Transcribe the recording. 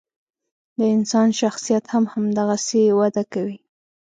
د انسان شخصیت هم همدغسې وده کوي.